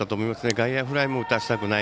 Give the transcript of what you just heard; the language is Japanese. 外野フライも打たせたくない。